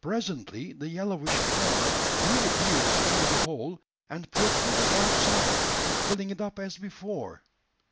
Presently the yellowish horn reappeared through the hole, and protruded outside, filling it up as before!